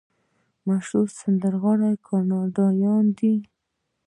مشهور سندرغاړي کاناډایان دي.